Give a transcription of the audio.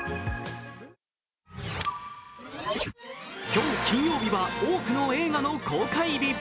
今日金曜日は多くの映画の公開日。